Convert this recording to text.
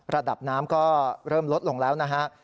ระดับน้ำก็เริ่มลดลงแล้วนะฮะ